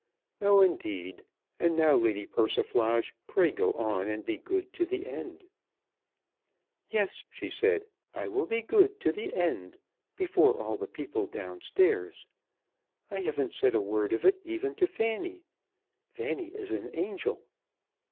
"No, indeed; and now, Lady Persiflage, pray go on and be good to the end." "Yes," she said, "I will be good to the end, before all the people down stairs. I haven't said a word of it even to Fanny. Fanny is an angel."